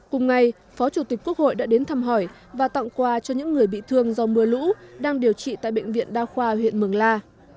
cùng ngày phó chủ tịch quốc hội đã đến thăm hỏi và tặng quà cho những người bị thương do mưa lũ đang điều trị tại bệnh viện đa khoa huyện mường la